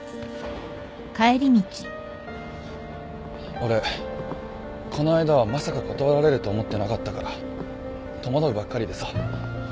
俺この間はまさか断られると思ってなかったから戸惑うばっかりでさ。